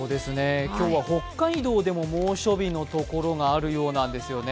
今日は北海道でも猛暑日のところがあるようなんですよね。